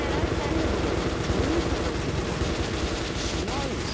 そもそもトリートメントとかってしないよね。